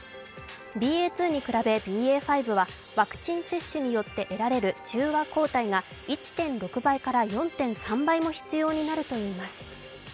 ＢＡ．２に比べＢＡ．５はワクチン接種によって得られる中和抗体が１．６倍から４．３倍も必要になるといいます。